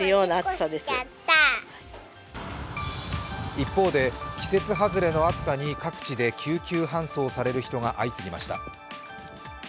一方で、季節外れの暑さで各地で緊急搬送される人が相次ぎました。